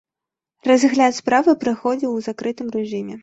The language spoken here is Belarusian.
Разгляд справы праходзіў у закрытым рэжыме.